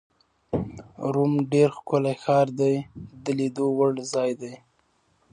روم ډېر ښکلی ښار دی، د لیدو وړ ځای دی.